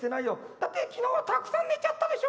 「だって昨日はたくさん寝ちゃったでしょ？」。